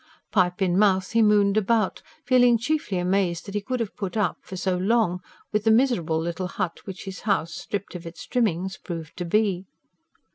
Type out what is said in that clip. Pipe in mouth he mooned about, feeling chiefly amazed that he could have put up, for so long, with the miserable little hut which his house, stripped of its trimmings, proved to be.